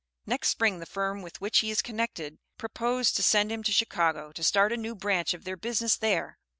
Next spring the firm with which he is connected propose to send him to Chicago to start a new branch of their business there.